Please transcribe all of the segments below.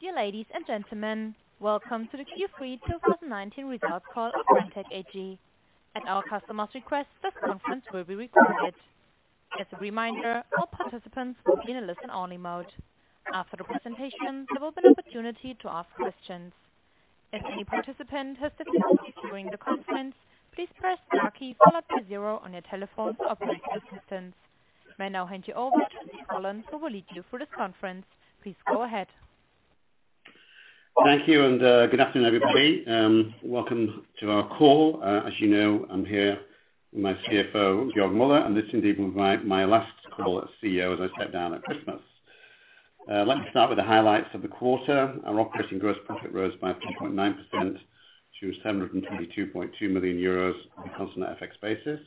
Dear ladies and gentlemen. Welcome to the Q3 2019 results call of Brenntag AG. At our customers' request, this conference will be recorded. As a reminder, all participants will be in a listen-only mode. After the presentation, there will be an opportunity to ask questions. If any participant has difficulty during the conference, please press star key followed by zero on your telephone to obtain assistance. May I now hand you over to Steven Holland, who will lead you through this conference. Please go ahead. Thank you, good afternoon, everybody. Welcome to our call. As you know, I'm here with my CFO, Georg Müller, and this is indeed my last call as CEO as I step down at Christmas. Let me start with the highlights of the quarter. Our operating gross profit rose by 3.9% to 722.2 million euros on a constant FX basis.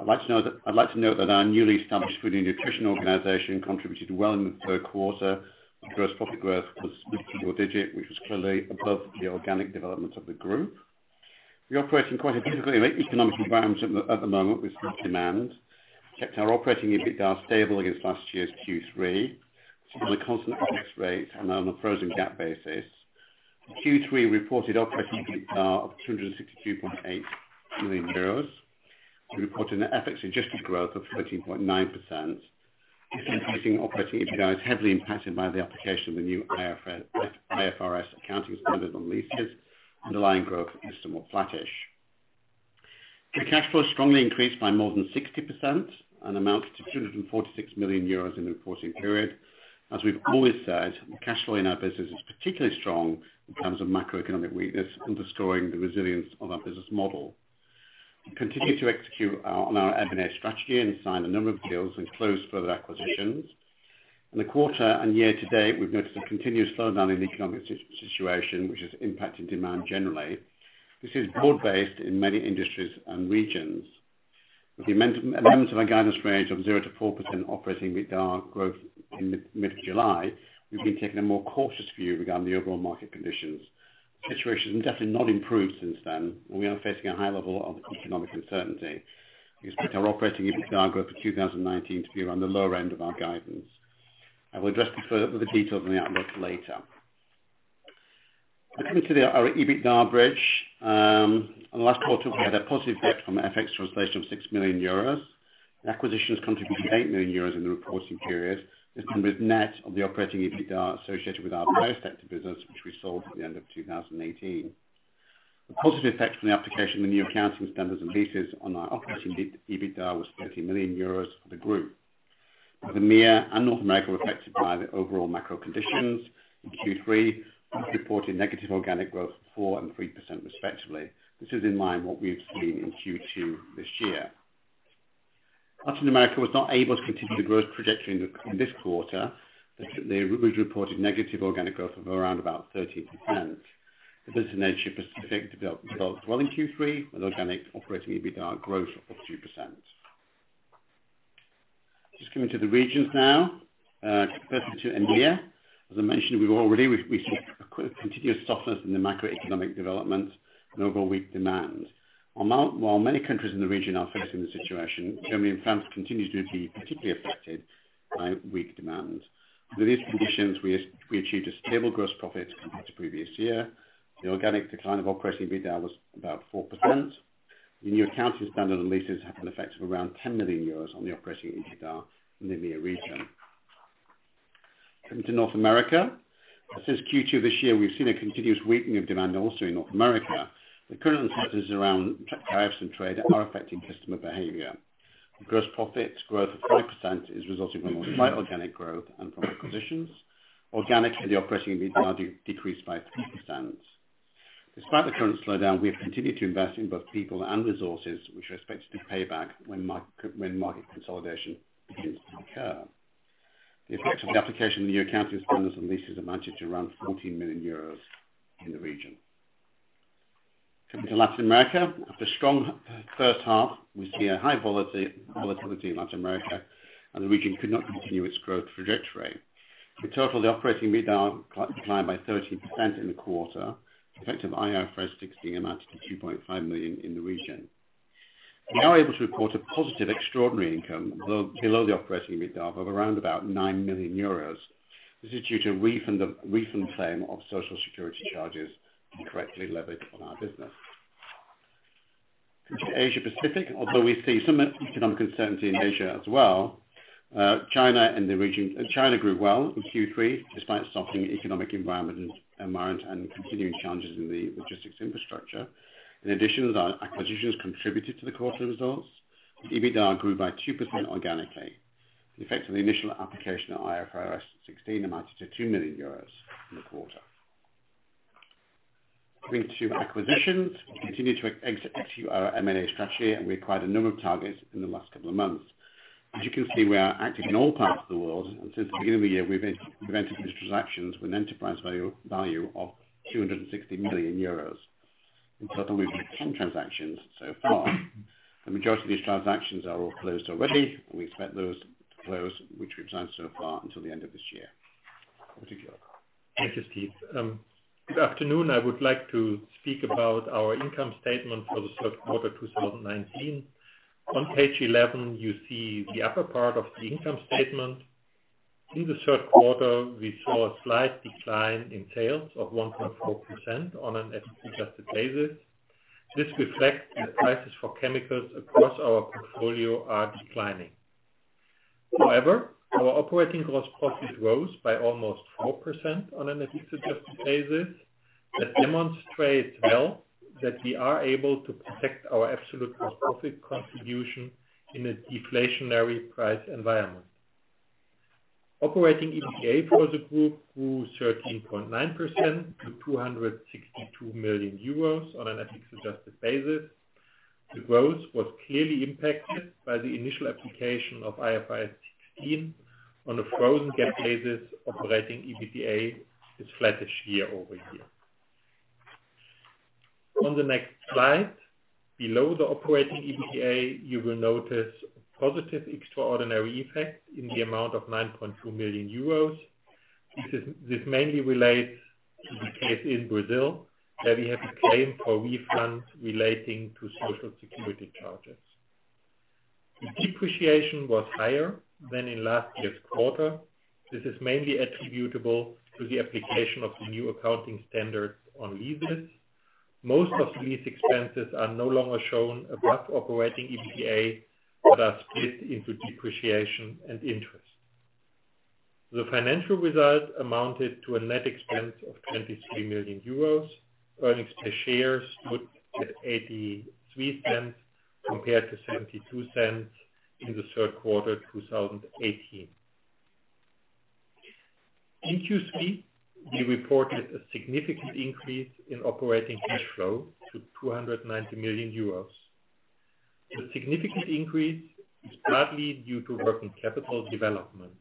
I'd like to note that our newly established food and nutrition organization contributed well in the third quarter. Our gross profit growth was mid-single digit, which was clearly above the organic development of the group. We operate in quite a difficult economic environment at the moment. Checked our operating EBITDA stable against last year's Q3 on a constant FX rate and on a frozen GAAP basis. Q3 reported operating EBITDA of 262.8 million euros. We reported an FX-adjusted growth of 13.9%. This increasing operating EBITDA is heavily impacted by the application of the new IFRS accounting standard on leases. Underlying growth is somewhat flattish. The cash flow strongly increased by more than 60% and amounted to 246 million euros in the reporting period. As we've always said, cash flow in our business is particularly strong in times of macroeconomic weakness, underscoring the resilience of our business model. We continue to execute on our M&A strategy and sign a number of deals and close further acquisitions. In the quarter and year to date, we've noticed a continued slowdown in the economic situation, which is impacting demand generally. This is broad-based in many industries and regions. With the amendment of our guidance range of 0%-4% operating EBITDA growth in mid-July, we've been taking a more cautious view regarding the overall market conditions. The situation has definitely not improved since then, and we are facing a high level of economic uncertainty. We expect our operating EBITDA growth for 2019 to be around the lower end of our guidance. I will address the further details on the outlook later. Coming to our EBITDA bridge. On the last quarter, we had a positive effect from FX translation of 6 million euros. The acquisitions contributed 8 million euros in the reporting period. This number is net of the operating EBITDA associated with our biotech business, which we sold at the end of 2018. The positive effect from the application of the new accounting standards and leases on our operating EBITDA was 30 million euros for the group. Both EMEA and North America were affected by the overall macro conditions in Q3, thus reporting negative organic growth of 4% and 3% respectively. This is in line with what we've seen in Q2 this year. Latin America was not able to continue the growth trajectory in this quarter. We've reported negative organic growth of around about 13%. The business in Asia Pacific developed well in Q3, with organic operating EBITDA growth of 2%. Just coming to the regions now. First to EMEA. As I mentioned already, we saw a continued softness in the macroeconomic development and overall weak demand. While many countries in the region are facing the situation, Germany and France continue to be particularly affected by weak demand. With these conditions, we achieved a stable gross profit compared to previous year. The organic decline of operating EBITDA was about 4%. The new accounting standard on leases had an effect of around 10 million euros on the operating EBITDA in the EMEA region. Coming to North America. Since Q2 this year, we've seen a continuous weakening of demand also in North America. The current uncertainties around tariffs and trade are affecting customer behavior. Gross profit growth of 5% is resulting from a slight organic growth and from acquisitions. Organically, the operating EBITDA decreased by 3%. Despite the current slowdown, we have continued to invest in both people and resources, which are expected to pay back when market consolidation begins to occur. The effect of the application of the new accounting standards on leases amounted to around €14 million in the region. Coming to Latin America. After a strong first half, we see a high volatility in Latin America, and the region could not continue its growth trajectory. In total, the operating EBITDA declined by 13% in the quarter. The effect of IFRS 16 amounted to €2.5 million in the region. We are able to report a positive extraordinary income below the operating EBITDA of around about 9 million euros. This is due to a refund claim of Social Security charges incorrectly levied on our business. Coming to Asia Pacific. Although we see some economic uncertainty in Asia as well, China grew well in Q3 despite a softening economic environment and continuing challenges in the logistics infrastructure. In addition, our acquisitions contributed to the quarter results. The EBITDA grew by 2% organically. The effect of the initial application of IFRS 16 amounted to 2 million euros in the quarter. Coming to acquisitions. We continue to execute our M&A strategy, and we acquired a number of targets in the last couple of months. As you can see, we are active in all parts of the world, and since the beginning of the year, we've entered into these transactions with an enterprise value of 260 million euros. In total, we've made 10 transactions so far. The majority of these transactions are all closed already. We expect those to close, which we've signed so far, until the end of this year. Thank you, Steve. Good afternoon. I would like to speak about our income statement for the third quarter 2019. On page 11, you see the upper part of the income statement. In the third quarter, we saw a slight decline in sales of 1.4% on an FX adjusted basis. This reflects that prices for chemicals across our portfolio are declining. Our operating gross profit rose by almost 4% on an FX adjusted basis. That demonstrates well that we are able to protect our absolute gross profit contribution in a deflationary price environment. Operating EBITDA for the group grew 13.9% to 262 million euros on an FX adjusted basis. The growth was clearly impacted by the initial application of IFRS 16. On a frozen GAAP basis, Operating EBITDA is flattish year-over-year. On the next slide, below the operating EBITDA, you will notice a positive extraordinary effect in the amount of 9.2 million euros. This mainly relates to the case in Brazil, where we have a claim for refunds relating to Social Security charges. The depreciation was higher than in last year's quarter. This is mainly attributable to the application of the new accounting standards on leases. Most of these expenses are no longer shown above operating EBITDA, but are split into depreciation and interest. The financial result amounted to a net expense of 23 million euros. Earnings per share stood at 0.83 compared to 0.72 in the third quarter 2018. In Q3, we reported a significant increase in operating cash flow to 290 million euros. The significant increase is partly due to working capital development.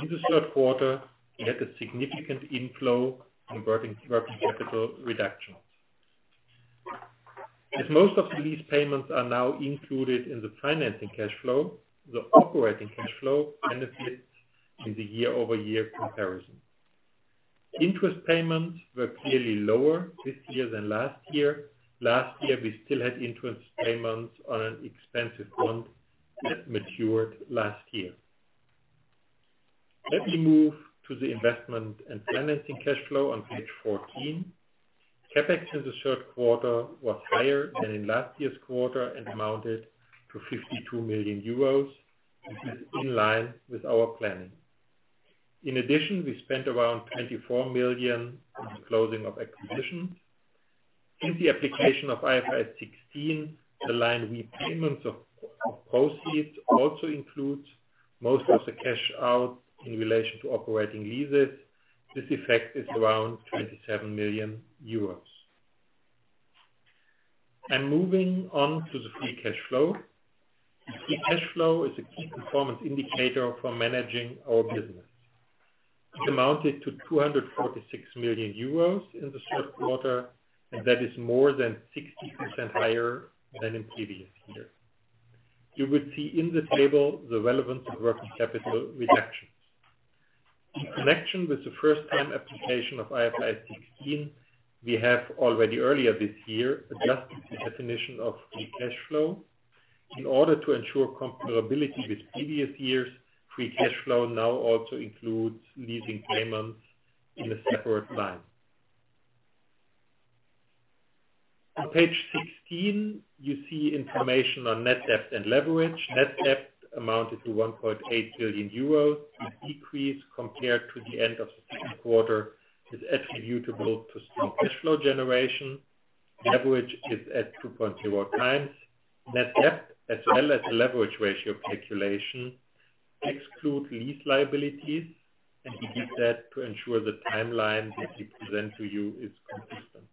In the third quarter, we had a significant inflow from working capital reductions. As most of the lease payments are now included in the financing cash flow, the operating cash flow benefits in the year-over-year comparison. Interest payments were clearly lower this year than last year. Last year, we still had interest payments on an expensive bond that matured last year. Let me move to the investment and financing cash flow on page 14. CapEx in the third quarter was higher than in last year's quarter and amounted to 52 million euros, which is in line with our planning. In addition, we spent around 24 million on the closing of acquisitions. In the application of IFRS 16, the line repayments of proceeds also includes most of the cash out in relation to operating leases. This effect is around 27 million euros. Moving on to the free cash flow. The free cash flow is a key performance indicator for managing our business. It amounted to 246 million euros in the third quarter. That is more than 60% higher than in previous years. You will see in this table the relevance of working capital reductions. In connection with the first-time application of IFRS 16, we have already earlier this year adjusted the definition of free cash flow. In order to ensure comparability with previous years, free cash flow now also includes leasing payments in a separate line. On page 16, you see information on net debt and leverage. Net debt amounted to 1.8 billion euros. A decrease compared to the end of the second quarter is attributable to strong cash flow generation. Leverage is at 2.0 times. Net debt as well as the leverage ratio calculation exclude lease liabilities, and we did that to ensure the timeline that we present to you is consistent.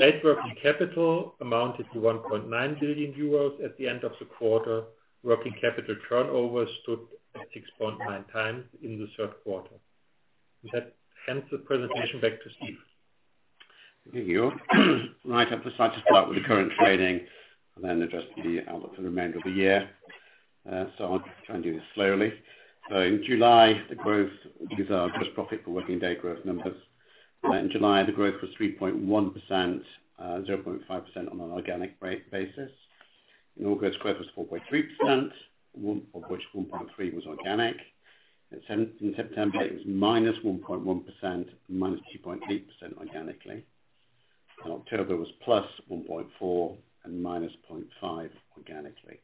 Net working capital amounted to 1.9 billion euros at the end of the quarter. Working capital turnover stood at 6.9 times in the third quarter. With that, I hand the presentation back to Steve. Thank you. I would just like to start with the current trading and then address the outlook for the remainder of the year. I'll try and do this slowly. In July, the growth, these are gross profit for working day growth numbers. In July, the growth was 3.1%, 0.5% on an organic rate basis. In August, growth was 4.3%, of which 1.3% was organic. In September, it was -1.1%, -2.8% organically. In October, it was +1.4% and -0.5% organically.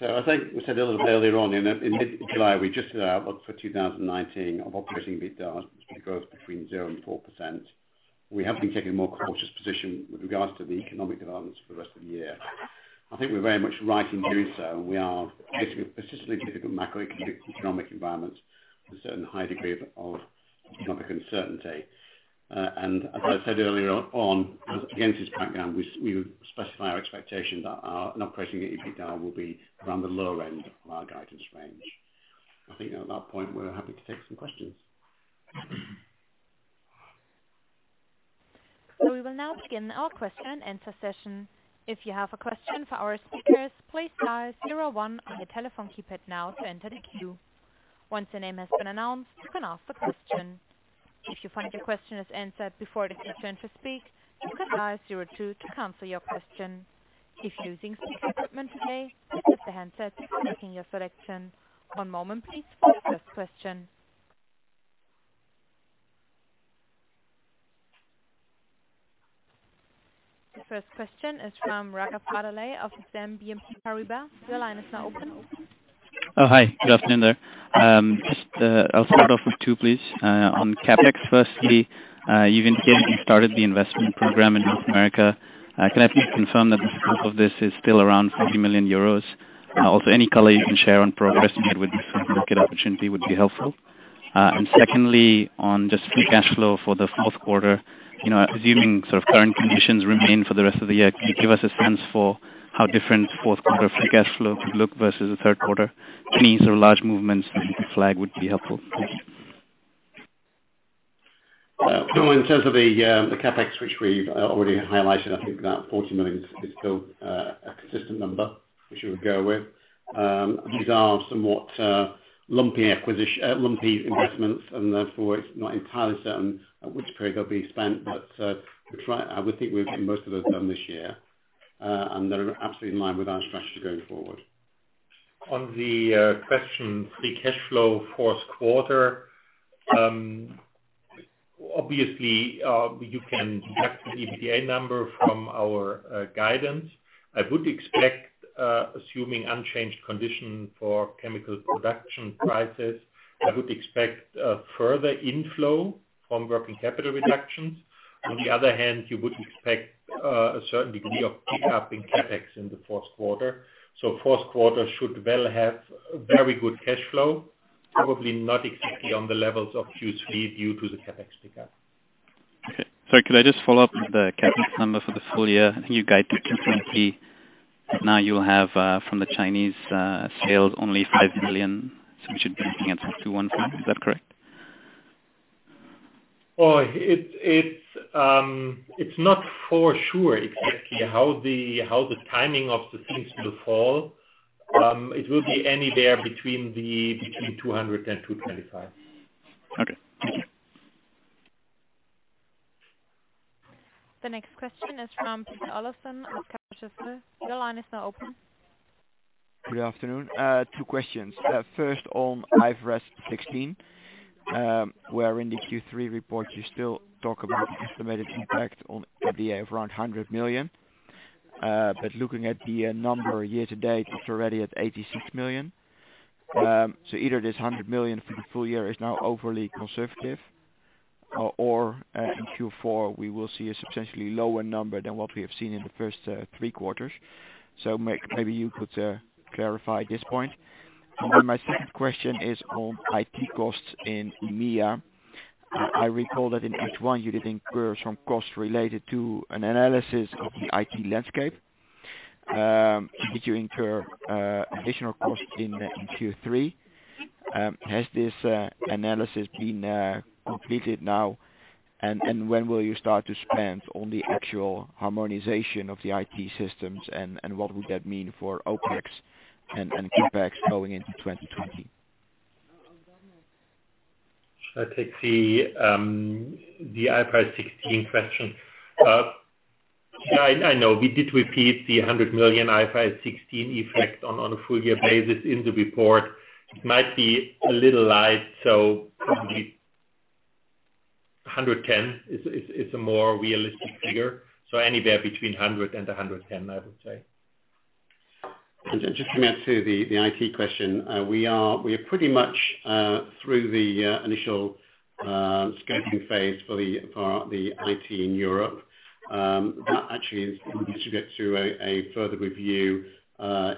I think we said a little bit earlier on in mid-July, we adjusted our outlook for 2019 of operating EBITDA, which will be growth between 0% and 4%. We have been taking a more cautious position with regards to the economic developments for the rest of the year. I think we're very much right in doing so. We are facing a persistently difficult macroeconomic environment with a certain high degree of economic uncertainty. As I said earlier on, against this background, we would specify our expectation that our operating EBITDA will be around the lower end of our guidance range. I think at that point, we're happy to take some questions. We will now begin our question and answer session. If you have a question for our speakers, please dial zero one on your telephone keypad now to enter the queue. Once your name has been announced, you can ask the question. If you find your question is answered before it is your turn to speak, you can dial zero two to cancel your question. If you're using speaker equipment today, please hit the handset indicating your selection. One moment please for the first question. The first question is from Raghav Ladha of BNP Paribas. Your line is now open. Oh, hi. Good afternoon there. I'll start off with two, please. On CapEx, firstly, you've indicated you started the investment program in North America. Can I please confirm that most of this is still around 40 million euros? Any color you can share on progress made would, if you get an opportunity, would be helpful. Secondly, on just free cash flow for the fourth quarter, assuming sort of current conditions remain for the rest of the year, can you give us a sense for how different fourth quarter free cash flow could look versus the third quarter? Any sort of large movements you can flag would be helpful. Thanks. In terms of the CapEx, which we've already highlighted, I think that 40 million is still a consistent number, which we would go with. These are somewhat lumpy investments, and therefore it's not entirely certain at which period they'll be spent. I would think we've gotten most of those done this year, and they're absolutely in line with our strategy going forward. On the question, free cash flow, fourth quarter. Obviously, you can deduct the EBITDA number from our guidance. I would expect, assuming unchanged condition for chemical production prices, I would expect a further inflow from working capital reductions. On the other hand, you would expect a certain degree of pickup in CapEx in the fourth quarter. Fourth quarter should well have very good cash flow, probably not exactly on the levels of Q3 due to the CapEx pickup. Okay. Sorry, could I just follow up with the CapEx number for the full year? You guide to 220. Now you'll have, from the Chinese sales only 5 million. We should be looking at sort of 215. Is that correct? Oh, it's not for sure exactly how the timing of the things will fall. It will be anywhere between 200 and 225. Okay. The next question is from Peter Olofsen of Kepler Cheuvreux. Your line is now open. Good afternoon. Two questions. First on IFRS 16, where in the Q3 report you still talk about the estimated impact on EBITDA of around 100 million. Looking at the number year to date, it is already at 86 million. Either this 100 million for the full year is now overly conservative or in Q4 we will see a substantially lower number than what we have seen in the first three quarters. Maybe you could clarify this point. My second question is on IT costs in EMEA. I recall that in H1 you did incur some costs related to an analysis of the IT landscape. Did you incur additional costs in Q3? Has this analysis been completed now? When will you start to spend on the actual harmonization of the IT systems, and what would that mean for OpEx and CapEx going into 2020? I take the IFRS 16 question. I know we did repeat the 100 million IFRS 16 effect on a full year basis in the report. It might be a little light, probably 110 is a more realistic figure. Anywhere between 100 million and 110 million, I would say. Just coming up to the IT question. We are pretty much through the initial scoping phase for the IT in Europe. That actually is going to get through a further review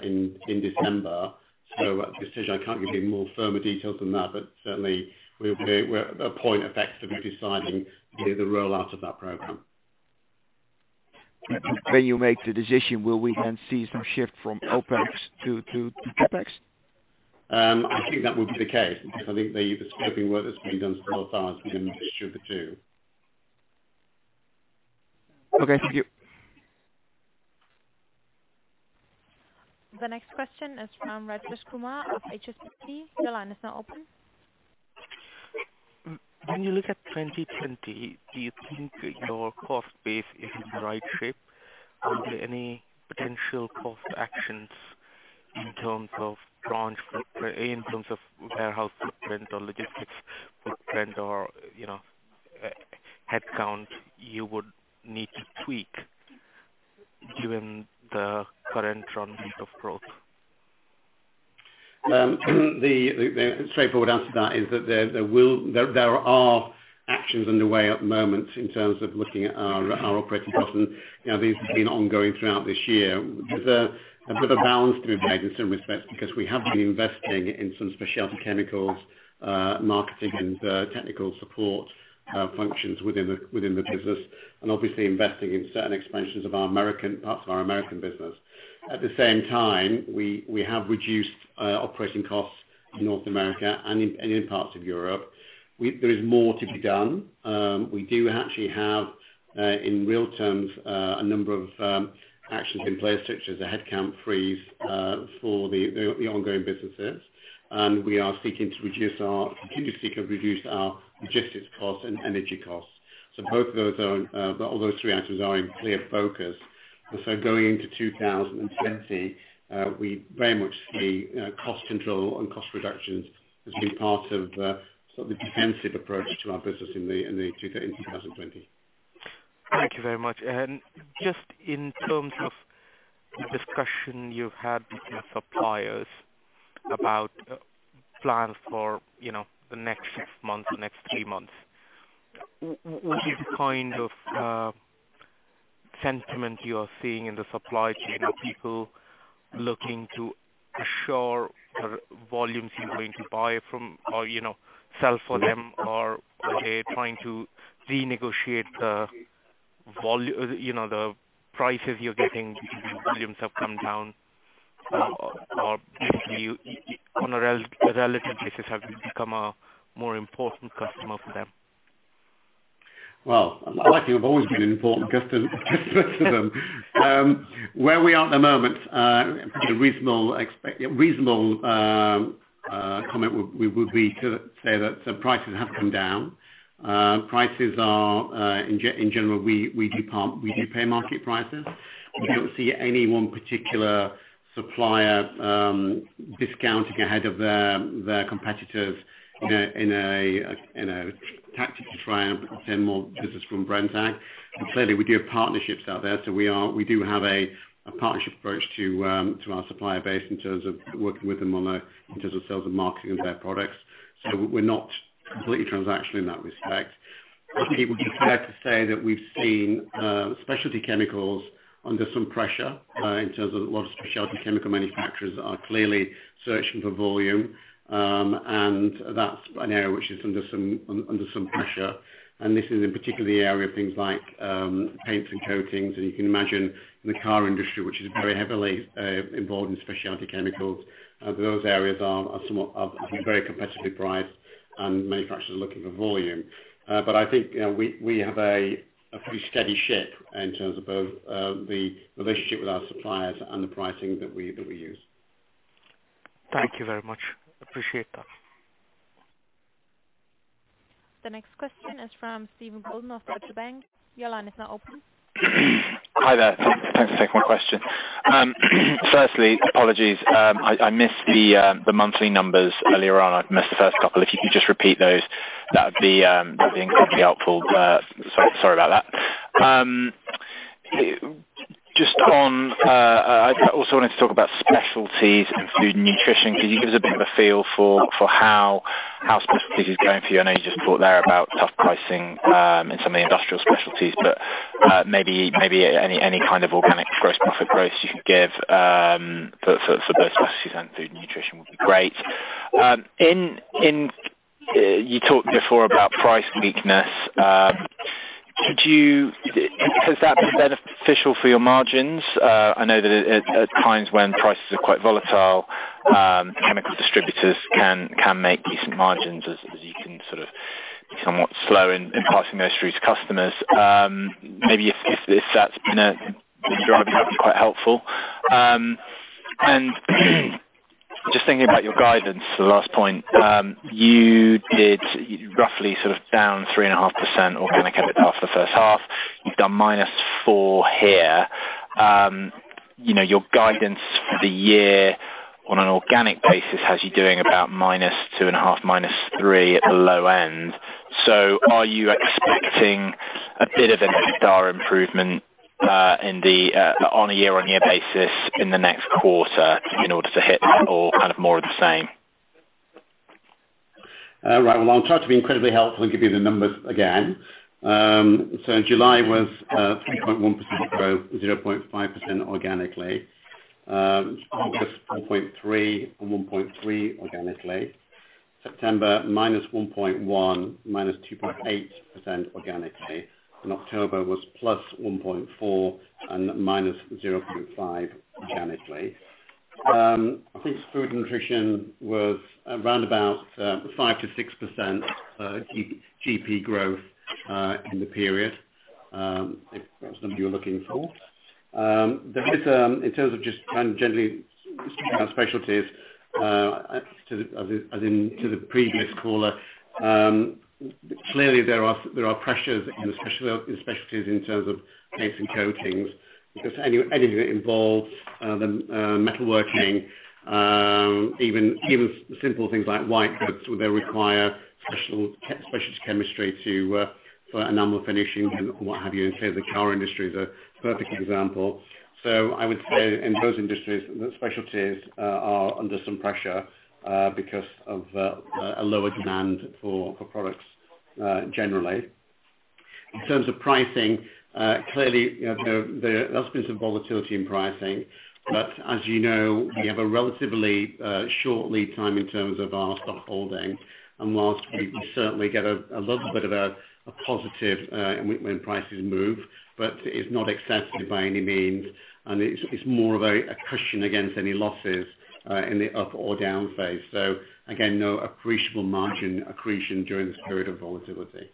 in December. At this stage I can't give you more firmer details than that, but certainly we're at a point of actively deciding the rollout of that program. When you make the decision, will we then see some shift from OpEx to CapEx? I think that would be the case, because I think the scoping work that's been done so far has been issued to. Okay, thank you. The next question is from Rajesh Kumar of HSBC. Your line is now open. When you look at 2020, do you think your cost base is in the right shape? Are there any potential cost actions in terms of warehouse footprint or logistics footprint or headcount you would need to tweak given the current trends of growth? The straightforward answer to that is that there are actions underway at the moment in terms of looking at our operating costs, and these have been ongoing throughout this year. There's a bit of a balance to be made in some respects because we have been investing in some specialty chemicals, marketing and technical support functions within the business, and obviously investing in certain expansions of parts of our American business. At the same time, we have reduced operating costs in North America and in parts of Europe. There is more to be done. We do actually have, in real terms, a number of actions in place, such as a headcount freeze for the ongoing businesses. We are continually seeking to reduce our logistics costs and energy costs. All those three items are in clear focus. Going into 2020, we very much see cost control and cost reductions as being part of the defensive approach to our business in 2020. Thank you very much. Just in terms of the discussion you've had with your suppliers about plans for the next month or next three months, what is the kind of sentiment you are seeing in the supply chain? Are people looking to assure the volumes you're going to buy from or sell for them? Are they trying to renegotiate the prices you're getting because your volumes have come down? Basically, on a relative basis, have you become a more important customer for them? Well, I like to have always been an important customer to them. Where we are at the moment, a reasonable comment would be to say that prices have come down. Prices are, in general, we do pay market prices. We don't see any one particular supplier discounting ahead of their competitors in a tactic to try and obtain more business from Brenntag. Clearly, we do have partnerships out there, we do have a partnership approach to our supplier base in terms of working with them in terms of sales and marketing of their products. We're not completely transactional in that respect. I think it would be fair to say that we've seen specialty chemicals under some pressure in terms of a lot of specialty chemical manufacturers are clearly searching for volume, and that's an area which is under some pressure. This is in particularly the area of things like paints and coatings. You can imagine the car industry, which is very heavily involved in specialty chemicals, those areas are very competitively priced, and manufacturers are looking for volume. I think we have a pretty steady ship in terms of both the relationship with our suppliers and the pricing that we use. Thank you very much. Appreciate that. The next question is from Steven Pollard of Deutsche Bank. Your line is now open. Hi there. Thanks for taking my question. Firstly, apologies, I missed the monthly numbers earlier on. I missed the first couple. If you could just repeat those, that would be incredibly helpful. Sorry about that. I also wanted to talk about specialties and food nutrition. Can you give us a bit of a feel for how specialties is going for you? I know you just talked there about tough pricing in some of the industrial specialties, but maybe any kind of organic gross profit growth you could give for both specialties and food nutrition would be great. You talked before about price weakness. Has that been beneficial for your margins? I know that at times when prices are quite volatile, chemical distributors can make decent margins as you can somewhat slow in passing those through to customers. Maybe if that's been a driver, that'd be quite helpful. Just thinking about your guidance for the last point. You did roughly down 3.5% organic EBITDA for the first half. You've done minus four here. Your guidance for the year on an organic basis has you doing about minus two and a half, minus three at the low end. Are you expecting a bit of a star improvement on a year-on-year basis in the next quarter in order to hit that or kind of more of the same? Right. Well, I'll try to be incredibly helpful and give you the numbers again. July was 3.1% growth, 0.5% organically. August, 4.3% and 1.3% organically. September, -1.1%, -2.8% organically. October was +1.4% and -0.5% organically. I think Food and Nutrition was around about 5%-6% GP growth in the period. If that's something you're looking for. In terms of just kind of generally specialties, as in to the previous caller, clearly there are pressures in specialties in terms of paints and coatings, because anything that involves the metalworking, even simple things like white goods, they require specialist chemistry for a number of finishings and what have you. Clearly, the car industry is a perfect example. I would say in those industries, the specialties are under some pressure because of a lower demand for products generally. In terms of pricing, clearly, there has been some volatility in pricing. As you know, we have a relatively short lead time in terms of our stock holding. Whilst we certainly get a little bit of a positive when prices move, but it's not excessive by any means, and it's more of a cushion against any losses in the up or down phase. Again, no appreciable margin accretion during this period of volatility.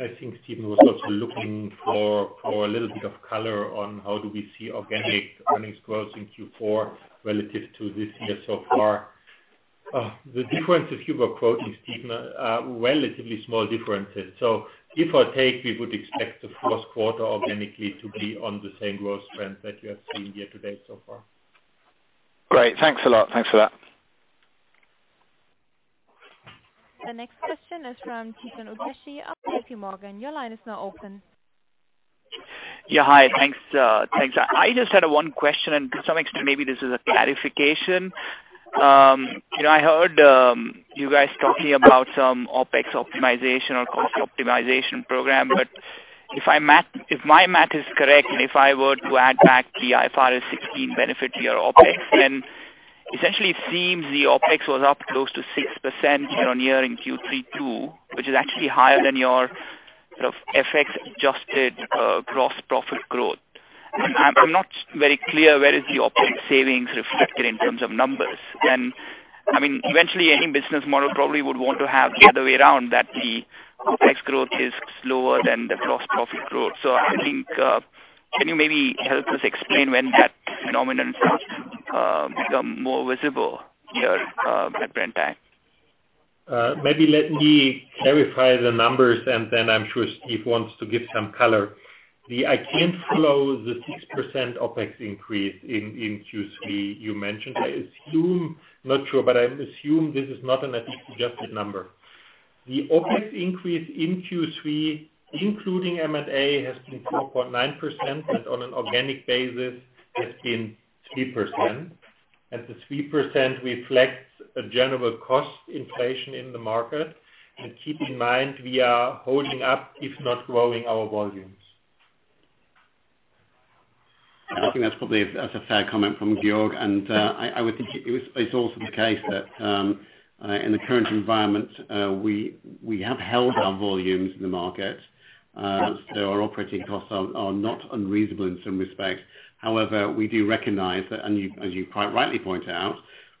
I think Steven was also looking for a little bit of color on how do we see organic earnings growth in Q4 relative to this year so far. The difference that you were quoting, Steven, are relatively small differences. Give or take, we would expect the first quarter organically to be on the same growth trend that you have seen year to date so far. Great. Thanks a lot. The next question is from Chetan Udeshi of JPMorgan. Your line is now open. Yeah. Hi, thanks. I just had one question and to some extent, maybe this is a clarification. I heard you guys talking about some OpEx optimization or cost optimization program. If my math is correct, and if I were to add back the IFRS 16 benefit to your OpEx, then essentially it seems the OpEx was up close to 6% year-on-year in Q3 too, which is actually higher than your sort of FX adjusted gross profit growth. I mean, eventually any business model probably would want to have the other way around that the OpEx growth is slower than the gross profit growth. I think, can you maybe help us explain when that phenomenon become more visible here at Brenntag? Maybe let me clarify the numbers and then I'm sure Steven wants to give some color. I can't follow the 6% OpEx increase in Q3 you mentioned. I assume, not sure, but I assume this is not an adjusted number. The OpEx increase in Q3, including M&A, has been 4.9%, on an organic basis has been 3%. The 3% reflects a general cost inflation in the market. Keep in mind, we are holding up, if not growing our volumes. I think that's a fair comment from Georg. I would think it's also the case that in the current environment, we have held our volumes in the market. Our operating costs are not unreasonable in some respects. However, we do recognize that, and as you quite rightly point out,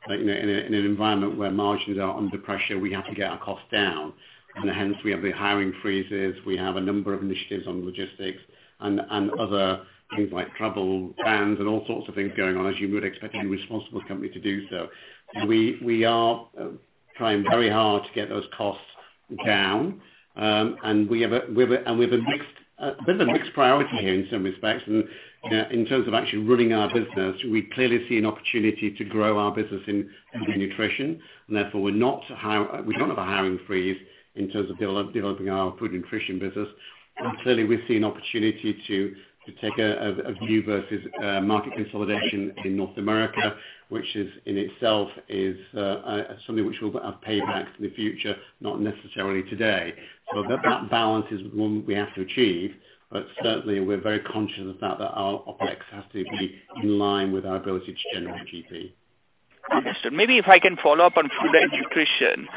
that in an environment where margins are under pressure, we have to get our costs down. Hence we have the hiring freezes, we have a number of initiatives on logistics and other things like travel bans and all sorts of things going on as you would expect any responsible company to do so. We are trying very hard to get those costs down. We have a mixed priority here in some respects. In terms of actually running our business, we clearly see an opportunity to grow our business in food and nutrition. Therefore we don't have a hiring freeze in terms of developing our food and nutrition business. Clearly we see an opportunity to take a view versus market consolidation in North America, which is in itself is something which will pay back to the future, not necessarily today. That balance is one we have to achieve, but certainly we are very conscious of that our OpEx has to be in line with our ability to generate GP. Understood. Maybe if I can follow up on Food and Nutrition.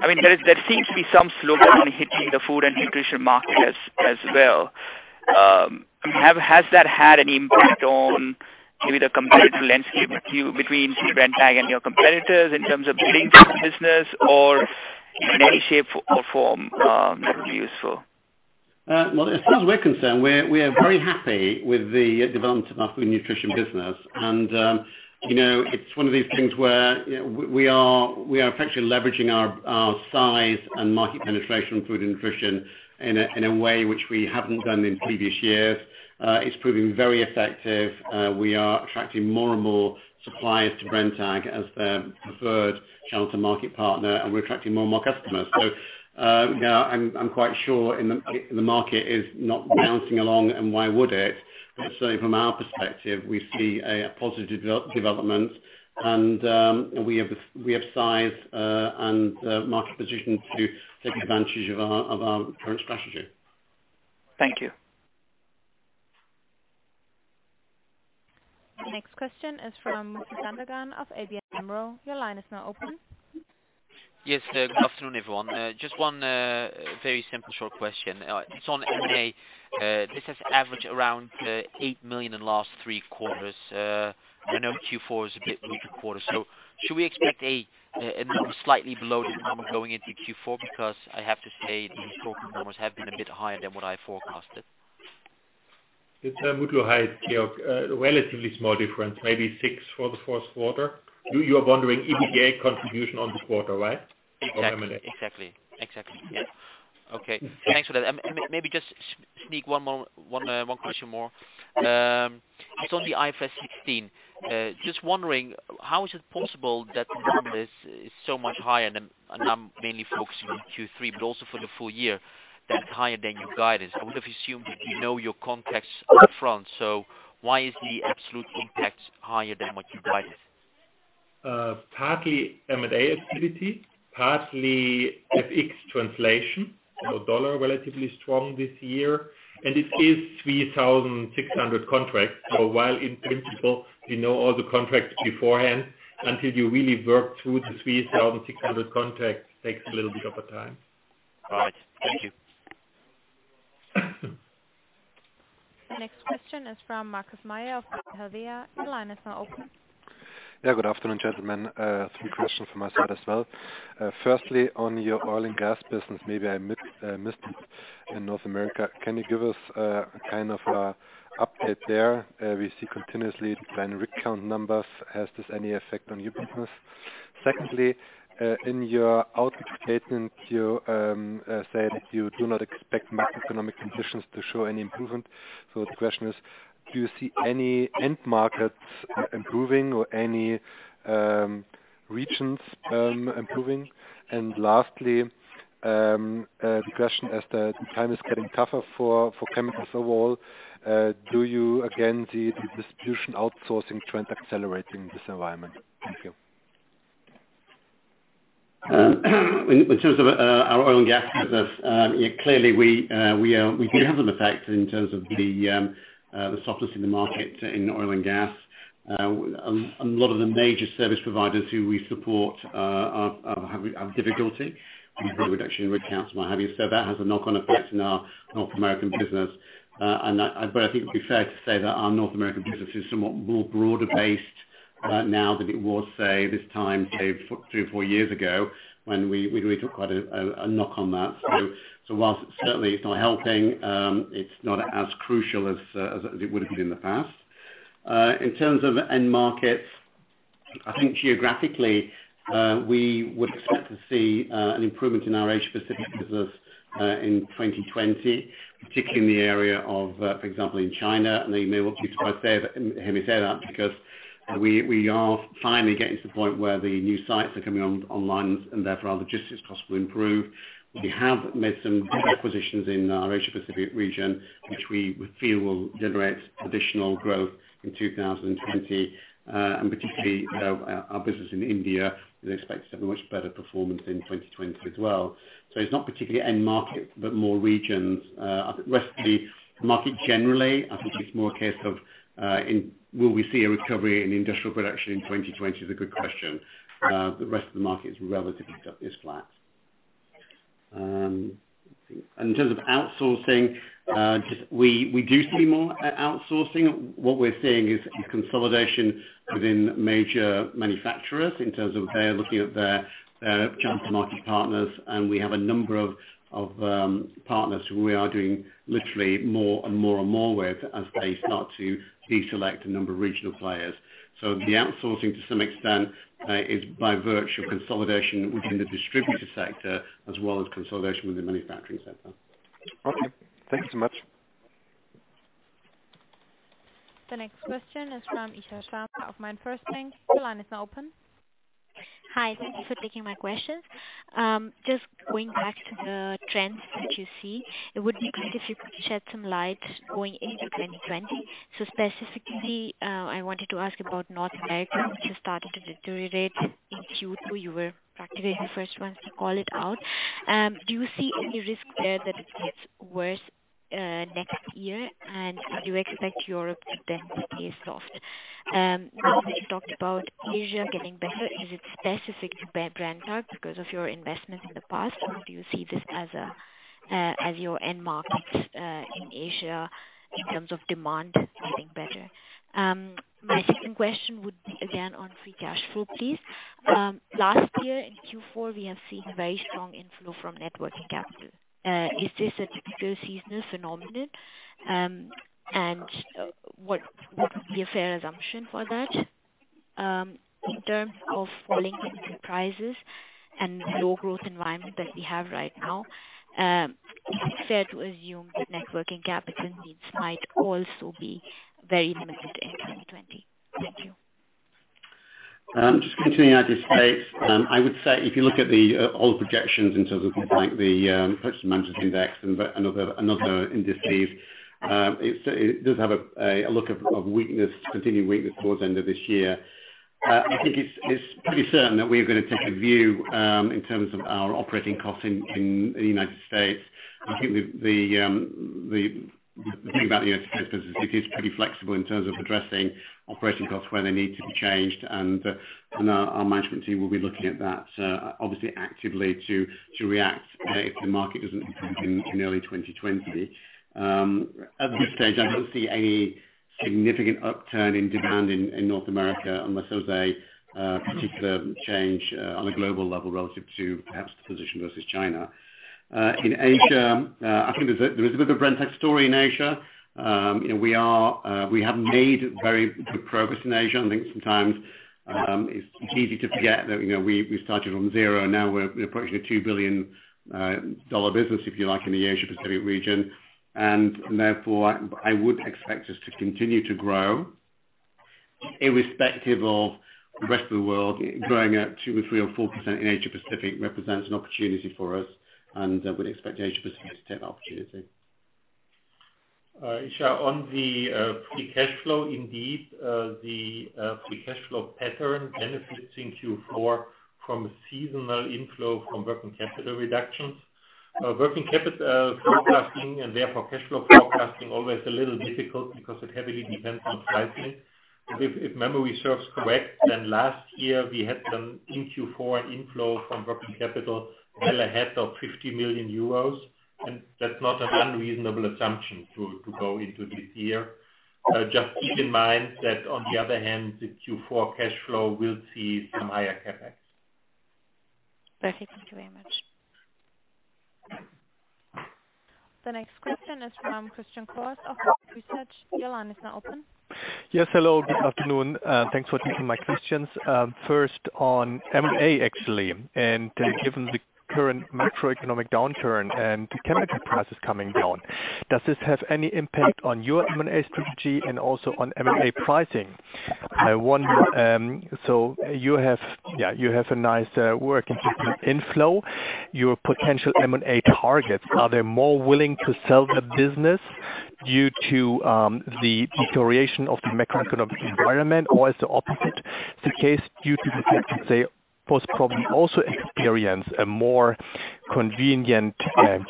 There seems to be some slowdown hitting the Food and Nutrition market as well. Has that had any impact on maybe the competitive landscape between Brenntag and your competitors in terms of building the business or in any shape or form that would be useful? Well, as far as we're concerned, we are very happy with the development of our Food and Nutrition business. It's one of these things where we are effectively leveraging our size and market penetration in Food and Nutrition in a way which we haven't done in previous years. It's proving very effective. We are attracting more and more suppliers to Brenntag as their preferred channel to market partner, and we're attracting more and more customers. I'm quite sure and the market is not bouncing along, and why would it? Certainly from our perspective, we see a positive development and we have size and market position to take advantage of our current strategy. Thank you. The next question is from [Zander Gann] of ABN AMRO. Your line is now open. Yes. Good afternoon, everyone. Just one very simple short question. It's on M&A. This has averaged around 8 million in last three quarters. I know Q4 is a bit weaker quarter. Should we expect a number slightly below the number going into Q4? I have to say the talking numbers have been a bit higher than what I forecasted. Zander, Mutlu had a relatively small difference, maybe six for the first quarter. You are wondering EBITDA contribution on the quarter, right, or M&A? Exactly. Yeah. Okay. Thanks for that. Maybe just sneak one question more. It's on the IFRS 16. Just wondering, how is it possible that one is so much higher, and I'm mainly focusing on Q3, but also for the full year that higher than your guidance? I would have assumed that you know your contracts up front. Why is the absolute impact higher than what you guided? Partly M&A activity, partly FX translation. Dollar relatively strong this year. It is 3,600 contracts. While in principle we know all the contracts beforehand, until you really work through the 3,600 contracts takes a little bit of a time. All right. Thank you. The next question is from Marcus Meyer of Berenberg. The line is now open. Yeah, good afternoon, gentlemen. Three questions from my side as well. Firstly, on your oil and gas business, maybe I missed it in North America. Can you give us a kind of update there? We see continuously declining rig count numbers. Has this any effect on your business? Secondly, in your outlook statement, you said you do not expect macroeconomic conditions to show any improvement. The question is, do you see any end markets improving or any regions improving? Lastly, the question as the time is getting tougher for chemicals overall, do you again see the distribution outsourcing trend accelerating in this environment? Thank you. In terms of our oil and gas business, clearly we do have an effect in terms of the softness in the market in oil and gas. A lot of the major service providers who we support have difficulty. We have a reduction in rig counts, so that has a knock-on effect in our North American business. I think it would be fair to say that our North American business is somewhat more broader based now than it was, say, this time three or four years ago when we took quite a knock on that. Whilst certainly it's not helping, it's not as crucial as it would have been in the past. In terms of end markets, I think geographically, we would expect to see an improvement in our Asia Pacific business in 2020, particularly in the area of, for example, in China. You may well be surprised to hear me say that because we are finally getting to the point where the new sites are coming online and therefore our logistics costs will improve. We have made some good acquisitions in our Asia Pacific region, which we feel will generate additional growth in 2020. Particularly our business in India is expected to have a much better performance in 2020 as well. It's not particularly end market, but more regions. The rest of the market generally, I think it's more a case of will we see a recovery in industrial production in 2020 is a good question. The rest of the market is relatively flat. In terms of outsourcing, we do see more outsourcing. What we're seeing is consolidation within major manufacturers in terms of they're looking at their channel market partners, and we have a number of partners who we are doing literally more and more and more with as they start to deselect a number of regional players. The outsourcing to some extent is by virtue of consolidation within the distributor sector as well as consolidation within the manufacturing sector. Okay. Thank you so much. The next question is from Isha Sharma of MainFirst Bank. The line is now open. Hi. Thank you for taking my questions. Going back to the trends that you see, it would be great if you could shed some light going into 2020. Specifically, I wanted to ask about North America, which has started to deteriorate in Q2. You were practically the first ones to call it out. Do you see any risk there that it gets worse next year, and do you expect Europe to then be a soft? You talked about Asia getting better. Is it specific to Brenntag because of your investments in the past, or do you see this as your end markets in Asia in terms of demand getting better? My second question would be again on free cash flow, please. Last year in Q4, we have seen very strong inflow from net working capital. Is this a typical seasonal phenomenon? What would be a fair assumption for that? In terms of falling chemical prices and low growth environment that we have right now, is it fair to assume that net working capital needs might also be very limited in 2020? Thank you. Just continuing at this pace, I would say if you look at all the projections in terms of things like the Purchasing Managers' Index and other indices, it does have a look of weakness, continued weakness towards the end of this year. I think it's pretty certain that we're going to take a view in terms of our operating costs in the United States. I think the thing about the United States business is it is pretty flexible in terms of addressing operating costs where they need to be changed, and our management team will be looking at that obviously actively to react if the market doesn't improve in early 2020. At this stage, I don't see any significant upturn in demand in North America unless there's a particular change on a global level relative to perhaps the position versus China. In Asia, I think there is a bit of a Brenntag story in Asia. We have made very good progress in Asia. I think sometimes it's easy to forget that we started from zero, now we're approaching a $2 billion business, if you like, in the Asia Pacific region. Therefore, I would expect us to continue to grow irrespective of the rest of the world. Growing at 2% or 3% or 4% in Asia Pacific represents an opportunity for us, and we'd expect Asia Pacific to take that opportunity. Isha, on the free cash flow, indeed, the free cash flow pattern benefits in Q4 from a seasonal inflow from working capital reductions. Working capital forecasting and therefore cash flow forecasting always a little difficult because it heavily depends on pricing. If memory serves correct, then last year we had an in Q4 inflow from working capital well ahead of 50 million euros. That's not an unreasonable assumption to go into this year. Just keep in mind that on the other hand, the Q4 cash flow will see some higher CapEx. Perfect. Thank you very much. The next question is from Christian Kohs of Research. Your line is now open. Yes. Hello. Good afternoon. Thanks for taking my questions. First on M&A, actually, given the current macroeconomic downturn and the chemical prices coming down, does this have any impact on your M&A strategy and also on M&A pricing? You have a nice working capital inflow. Your potential M&A targets, are they more willing to sell their business due to the deterioration of the macroeconomic environment, or is the opposite the case due to the fact that they most probably also experience a more convenient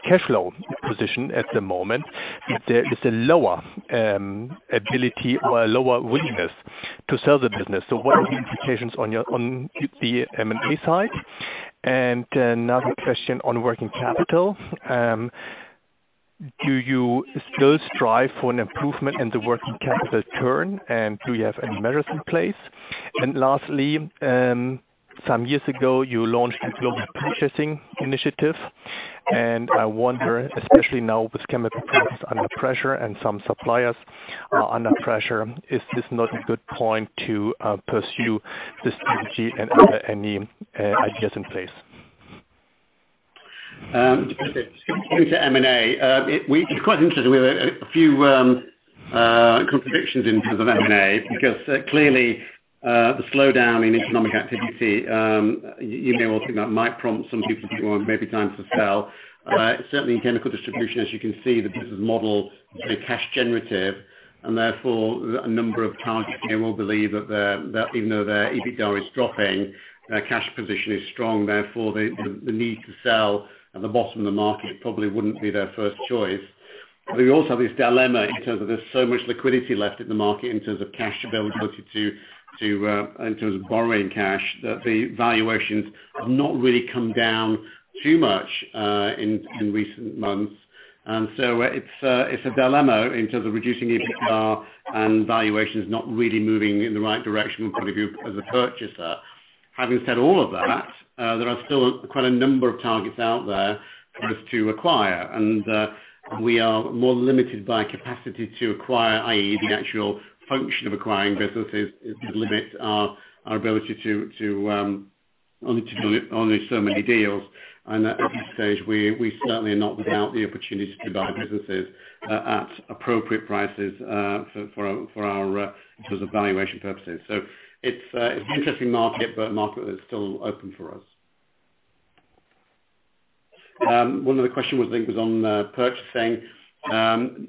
cash flow position at the moment? Is there lower willingness to sell the business? What are the implications on the M&A side? Another question on working capital. Do you still strive for an improvement in the working capital turn, and do you have any measures in place? Lastly, some years ago, you launched a global purchasing initiative, and I wonder, especially now with chemical prices under pressure and some suppliers are under pressure, is this not a good point to pursue this strategy and are there any ideas in place? Coming to M&A, it's quite interesting. We have a few contradictions in terms of M&A, because clearly the slowdown in economic activity, you may well think that might prompt some people to think, "Well, it may be time to sell." Certainly, in chemical distribution, as you can see, the business model is cash generative, and therefore, a number of targets here will believe that even though their EBITDA is dropping, their cash position is strong, therefore the need to sell at the bottom of the market probably wouldn't be their first choice. We also have this dilemma in terms of there's so much liquidity left in the market in terms of cash availability in terms of borrowing cash, that the valuations have not really come down too much in recent months. It's a dilemma in terms of reducing EBITDA and valuations not really moving in the right direction from the group as a purchaser. Having said all of that, there are still quite a number of targets out there for us to acquire, and we are more limited by capacity to acquire, i.e., the actual function of acquiring businesses limits our ability to only so many deals. At this stage, we certainly are not without the opportunity to buy businesses at appropriate prices in terms of valuation purposes. It's an interesting market, but a market that's still open for us. One other question was, I think, was on purchasing.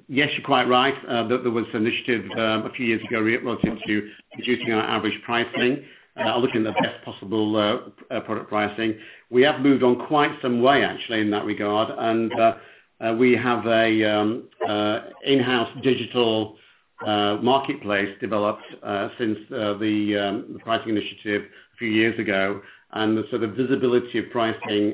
Yes, you're quite right. There was an initiative a few years ago relative to reducing our average pricing, looking at the best possible product pricing. We have moved on quite some way, actually, in that regard. We have an in-house digital marketplace developed since the pricing initiative a few years ago. The visibility of pricing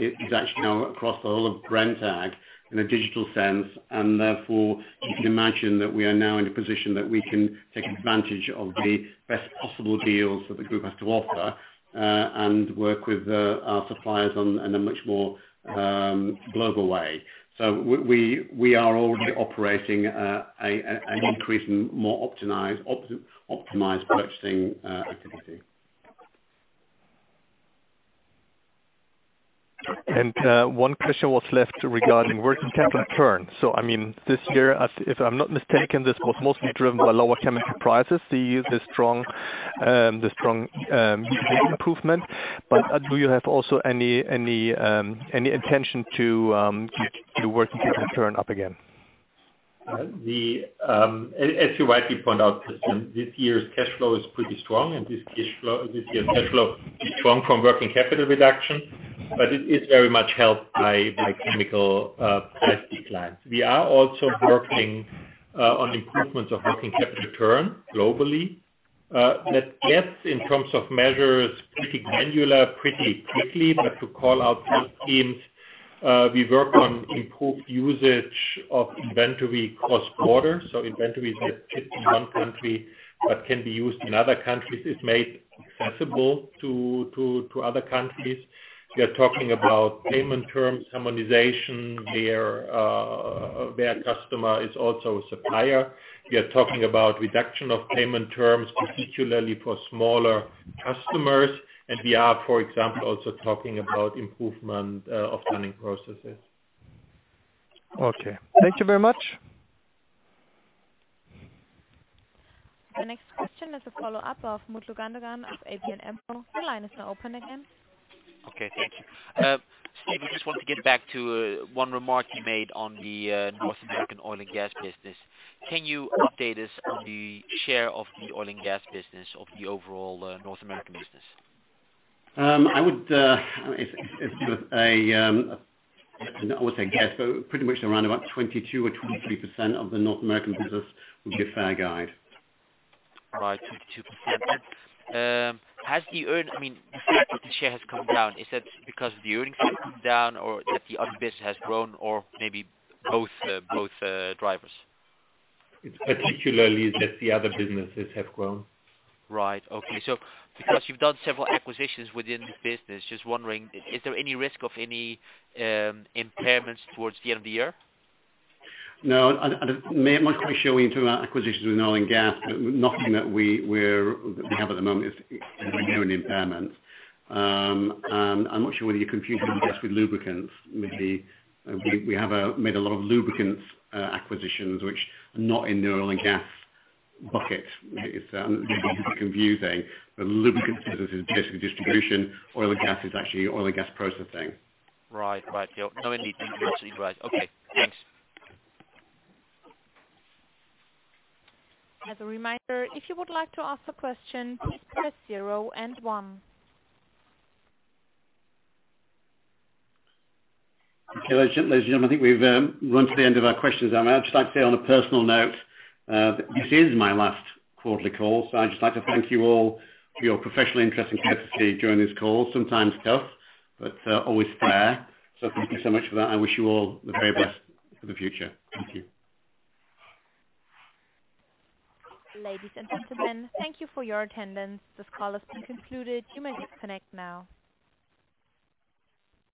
is actually now across the whole of Brenntag in a digital sense, and therefore, you can imagine that we are now in a position that we can take advantage of the best possible deals that the group has to offer and work with our suppliers in a much more global way. We are already operating an increased, more optimized purchasing activity. One question was left regarding working capital turn. This year, if I'm not mistaken, this was mostly driven by lower chemical prices, the strong usage improvement. Do you have also any intention to get the working capital turn up again? As you rightly point out, Christian, this year's cash flow is pretty strong, and this year's cash flow is strong from working capital reduction, but it is very much helped by chemical price declines. We are also working on improvements of working capital turn globally. That gets, in terms of measures, pretty granular pretty quickly. To call out some themes, we work on improved usage of inventory cross-border. Inventory that sits in one country but can be used in other countries is made accessible to other countries. We are talking about payment terms harmonization, where a customer is also a supplier. We are talking about reduction of payment terms, particularly for smaller customers. We are, for example, also talking about improvement of planning processes. Okay. Thank you very much. The next question is a follow-up of Mutlu Gundogan of ABN AMRO. Your line is now open again. Okay. Thank you. Steve, I just want to get back to one remark you made on the North American oil and gas business. Can you update us on the share of the oil and gas business of the overall North American business? I would say, yes, so pretty much around about 22 or 23% of the North American business would be a fair guide. Right, 22%. The share has come down. Is that because the earnings have come down or that the other business has grown or maybe both drivers? It's particularly that the other businesses have grown. Right. Okay. Because you've done several acquisitions within the business, just wondering, is there any risk of any impairments towards the end of the year? No. It must be showing through our acquisitions with oil and gas. Nothing that we have at the moment is nearing impairment. I'm not sure whether you're confusing this with lubricants, maybe. We have made a lot of lubricants acquisitions, which are not in the oil and gas bucket. Lubricants business is basically distribution. Oil and gas is actually oil and gas processing. Right. No, indeed. Right. Okay. Thanks. As a reminder, if you would like to ask a question, please press zero and one. Okay, ladies and gentlemen, I think we've run to the end of our questions. I'd just like to say on a personal note, that this is my last quarterly call. I'd just like to thank you all for your professional interest and courtesy during this call. Sometimes tough, but always fair. Thank you so much for that. I wish you all the very best for the future. Thank you. Ladies and gentlemen, thank you for your attendance. This call has been concluded. You may disconnect now.